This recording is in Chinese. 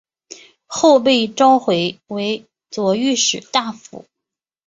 后被召回为左御史大夫。